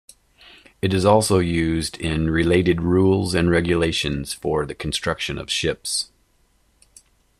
It is also used in related rules and regulations for the construction of ships.